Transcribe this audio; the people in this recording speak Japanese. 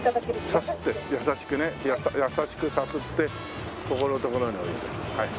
さすって優しくね優しくさすってここの所に置いてはい。